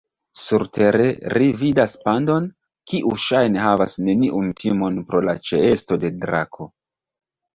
Surtere, ri vidas pandon, kiu ŝajne havas neniun timon pro la ĉeesto de drako.